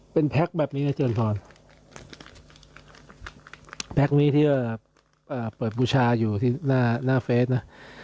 เป็นแพลคแบบนี้นะเจอร์ฟอร์นแพลคนี้เปิดบูชาอยู่ที่หน้าเฟซนะ